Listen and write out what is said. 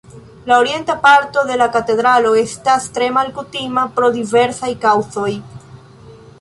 La orienta parto de la katedralo estas tre malkutima pro diversaj kaŭzoj.